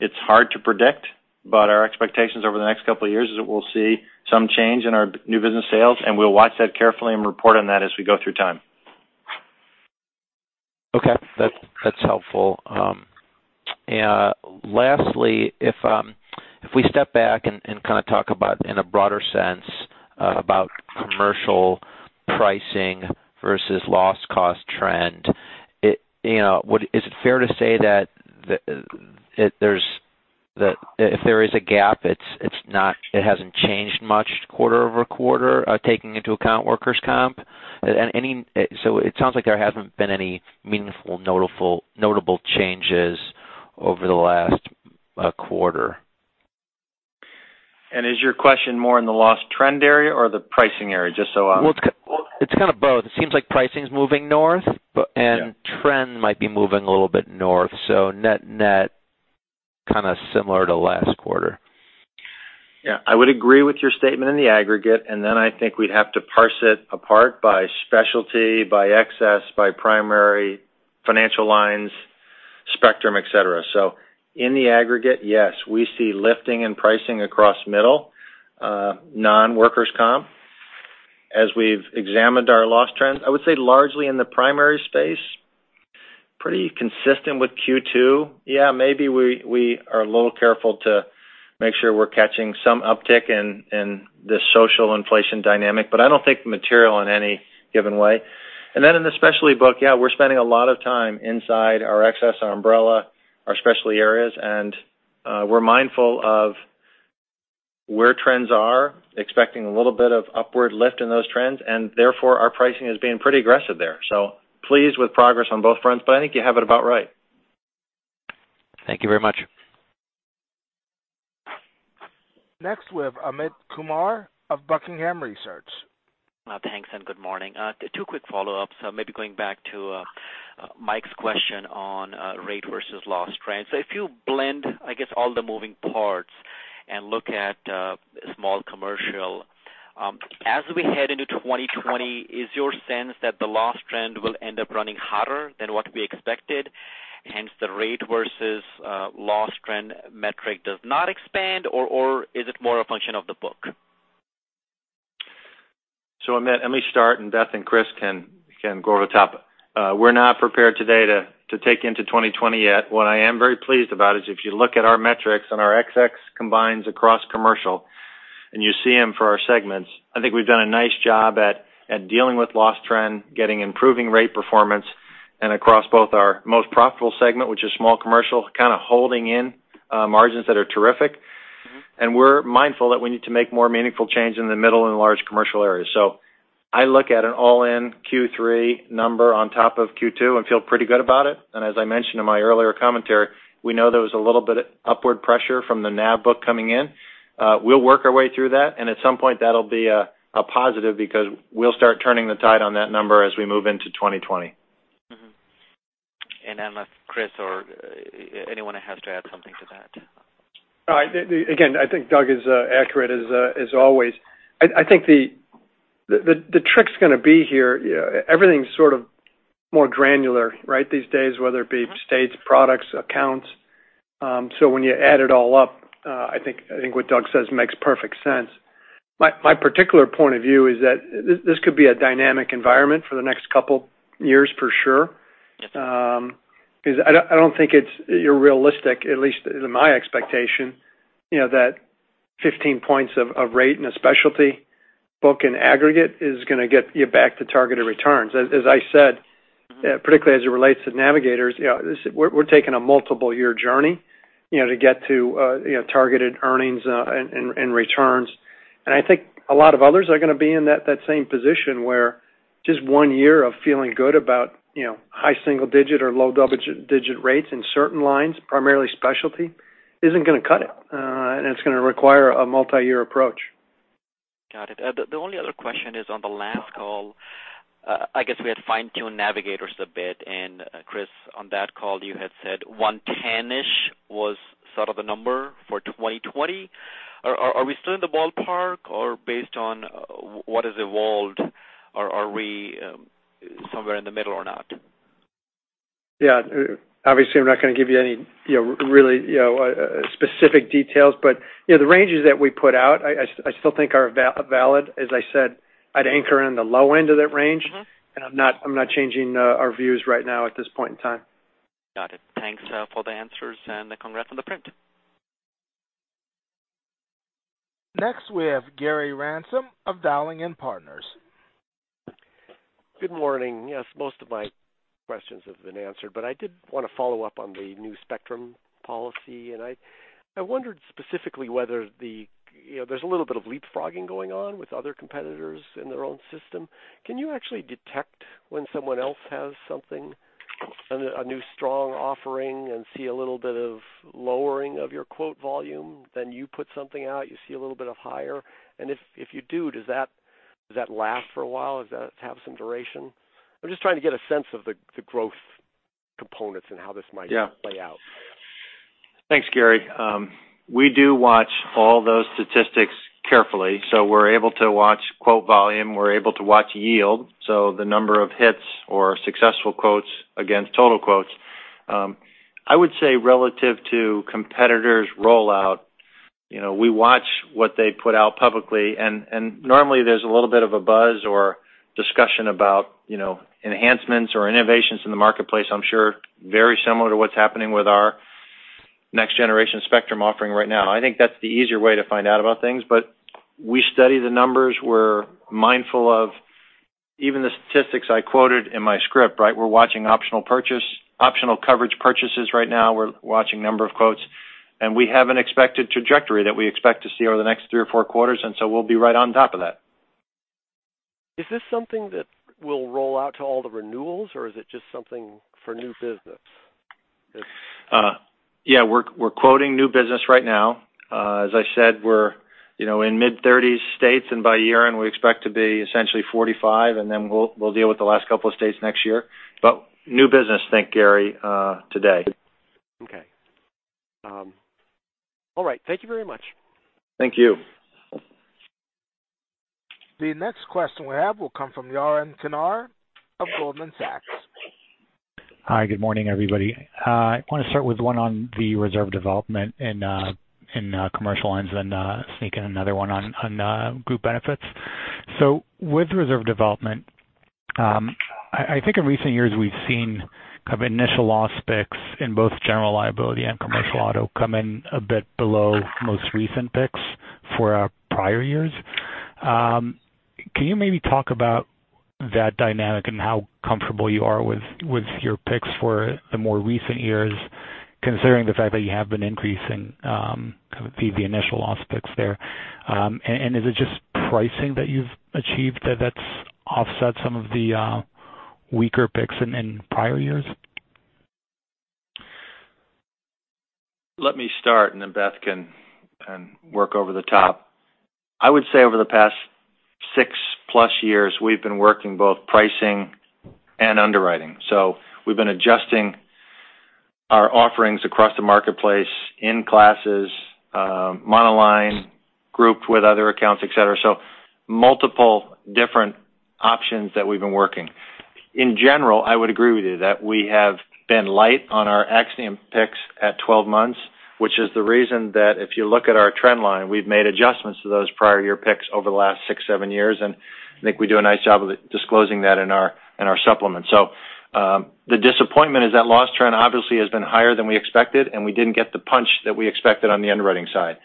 It's hard to predict. Our expectations over the next couple of years is that we'll see some change in our new business sales. We'll watch that carefully and report on that as we go through time. Okay. That's helpful. Lastly, if we step back and kind of talk about in a broader sense about commercial pricing versus loss cost trend, is it fair to say that if there is a gap, it hasn't changed much quarter-over-quarter, taking into account workers' comp? It sounds like there hasn't been any meaningful, notable changes over the last quarter. Is your question more in the loss trend area or the pricing area? Well, it's kind of both. It seems like pricing's moving north. Trend might be moving a little bit north. Net net, kind of similar to last quarter. Yeah. I would agree with your statement in the aggregate, I think we'd have to parse it apart by specialty, by excess, by primary financial lines, Spectrum, et cetera. In the aggregate, yes, we see lifting and pricing across middle, non-workers' comp. As we've examined our loss trends, I would say largely in the primary space, pretty consistent with Q2. Yeah, maybe we are a little careful to make sure we're catching some uptick in this social inflation dynamic, but I don't think material in any given way. In the specialty book, yeah, we're spending a lot of time inside our excess, our umbrella, our specialty areas, and we're mindful of where trends are, expecting a little bit of upward lift in those trends, and therefore our pricing is being pretty aggressive there. Pleased with progress on both fronts, I think you have it about right. Thank you very much. Next, we have Amit Kumar of Buckingham Research. Thanks. Good morning. Two quick follow-ups. Maybe going back to Mike's question on rate versus loss trend. If you blend, I guess, all the moving parts and look at small commercial, as we head into 2020, is your sense that the loss trend will end up running hotter than what we expected, hence the rate versus loss trend metric does not expand, or is it more a function of the book? Amit, let me start, and Beth and Chris can go over the top. We're not prepared today to take into 2020 yet. What I am very pleased about is if you look at our metrics and our ex-cat combines across Commercial Lines, and you see them for our segments, I think we've done a nice job at dealing with loss trend, getting improving rate performance, and across both our most profitable segment, which is small commercial, kind of holding in margins that are terrific. We're mindful that we need to make more meaningful change in the middle and large commercial areas. I look at an all-in Q3 number on top of Q2 and feel pretty good about it. As I mentioned in my earlier commentary, we know there was a little bit of upward pressure from the Nav book coming in. We'll work our way through that, and at some point that'll be a positive because we'll start turning the tide on that number as we move into 2020. Unless Chris or anyone has to add something to that. Again, I think Doug is accurate as always. I think the trick's going to be here, everything's sort of more granular these days, whether it be states, products, accounts. When you add it all up, I think what Doug says makes perfect sense. My particular point of view is that this could be a dynamic environment for the next couple years, for sure. Because I don't think it's realistic, at least in my expectation, that 15 points of rate in a specialty book in aggregate is going to get you back to targeted returns. As I said, particularly as it relates to Navigators, we're taking a multiple year journey to get to targeted earnings and returns. I think a lot of others are going to be in that same position where just one year of feeling good about high single digit or low double digit rates in certain lines, primarily specialty, isn't going to cut it. It's going to require a multi-year approach. Got it. The only other question is on the last call, I guess we had fine-tuned Navigators a bit. Chris, on that call, you had said 110-ish was sort of the number for 2020. Are we still in the ballpark or based on what has evolved, are we somewhere in the middle or not? Yeah. Obviously, I'm not going to give you any really specific details, the ranges that we put out, I still think are valid. As I said, I'd anchor in the low end of that range. I'm not changing our views right now at this point in time. Got it. Thanks for the answers, congrats on the print. Next, we have Gary Ransom of Dowling & Partners. Good morning. Yes, most of my questions have been answered, I did want to follow up on the new Spectrum policy. I wondered specifically whether there's a little bit of leapfrogging going on with other competitors in their own system. Can you actually detect when someone else has something, a new strong offering, and see a little bit of lowering of your quote volume? You put something out, you see a little bit of higher. If you do, does that last for a while? Does that have some duration? I'm just trying to get a sense of the growth components and how this might play out. Thanks, Gary. We do watch all those statistics carefully. We're able to watch quote volume. We're able to watch yield, so the number of hits or successful quotes against total quotes. I would say relative to competitors' rollout, we watch what they put out publicly, and normally there's a little bit of a buzz or discussion about enhancements or innovations in the marketplace, I'm sure very similar to what's happening with our Next Generation Spectrum offering right now. I think that's the easier way to find out about things, but we study the numbers. We're mindful of even the statistics I quoted in my script. We're watching optional coverage purchases right now. We're watching number of quotes, and we have an expected trajectory that we expect to see over the next three or four quarters, and so we'll be right on top of that. Is this something that will roll out to all the renewals, or is it just something for new business? We're quoting new business right now. As I said, we're in mid-30s states, and by year-end, we expect to be essentially 45, and then we'll deal with the last couple of states next year. New business, think Gary, today. Okay. All right. Thank you very much. Thank you. The next question we have will come from Yaron Kinar of Goldman Sachs. Hi, good morning, everybody. I want to start with one on the reserve development in Commercial Lines, then sneak in another one on Group Benefits. With reserve development, I think in recent years, we've seen kind of initial loss picks in both general liability and commercial auto come in a bit below most recent picks for our prior years. Can you maybe talk about that dynamic and how comfortable you are with your picks for the more recent years, considering the fact that you have been increasing the initial loss picks there? Is it just pricing that you've achieved that that's offset some of the weaker picks than in prior years? Let me start and then Beth can work over the top. I would say over the past six-plus years, we've been working both pricing and underwriting. We've been adjusting our offerings across the marketplace in classes, monoline, grouped with other accounts, et cetera. Multiple different options that we've been working. In general, I would agree with you that we have been light on our accident year picks at 12 months, which is the reason that if you look at our trend line, we've made adjustments to those prior year picks over the last six, seven years, I think we do a nice job of disclosing that in our supplement. The disappointment is that loss trend obviously has been higher than we expected, and we didn't get the punch that we expected on the underwriting side.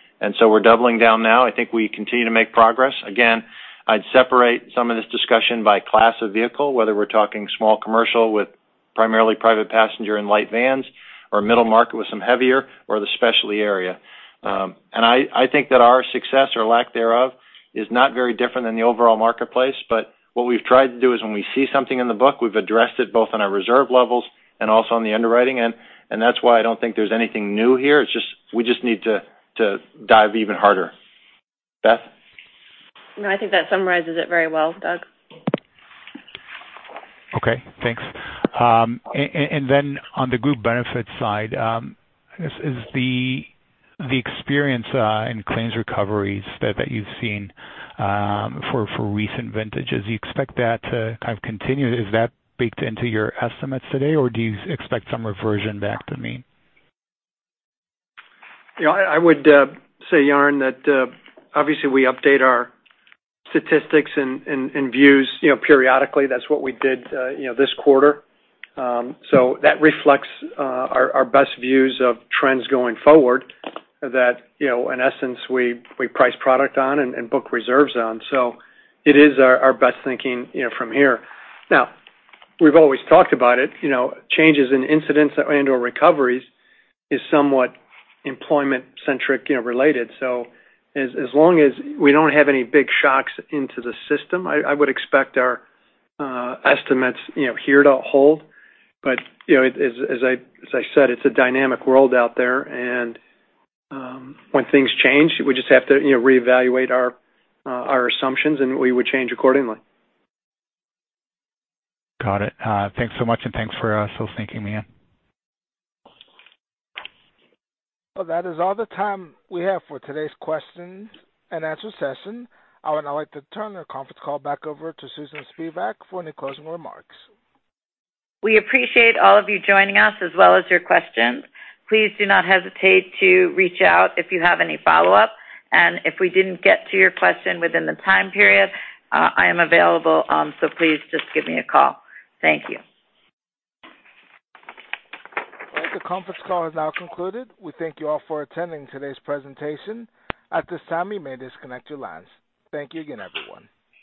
We're doubling down now. I think we continue to make progress. Again, I'd separate some of this discussion by class of vehicle, whether we're talking small Commercial Lines with primarily private passenger and light vans or middle market with some heavier or the specialty area. I think that our success or lack thereof is not very different than the overall marketplace. What we've tried to do is when we see something in the book, we've addressed it both on our reserve levels and also on the underwriting end, and that's why I don't think there's anything new here. It's just we just need to dive even harder. Beth? No, I think that summarizes it very well, Doug. Okay, thanks. Then on the Group Benefits side, is the experience in claims recoveries that you've seen for recent vintages, you expect that to kind of continue? Is that baked into your estimates today, or do you expect some reversion back to mean? I would say, Yaron, that obviously we update our statistics and views periodically. That's what we did this quarter. That reflects our best views of trends going forward that, in essence, we price product on and book reserves on. It is our best thinking from here. Now, we've always talked about it, changes in incidents and/or recoveries is somewhat employment-centric related. As long as we don't have any big shocks into the system, I would expect our estimates here to hold. As I said, it's a dynamic world out there, and when things change, we just have to reevaluate our assumptions, and we would change accordingly. Got it. Thanks so much, and thanks for still sticking me in. Well, that is all the time we have for today's question and answer session. I would now like to turn the conference call back over to Susan Spivak for any closing remarks. We appreciate all of you joining us as well as your questions. Please do not hesitate to reach out if you have any follow-up. If we didn't get to your question within the time period, I am available, so please just give me a call. Thank you. All right, the conference call has now concluded. We thank you all for attending today's presentation. At this time, you may disconnect your lines. Thank you again, everyone.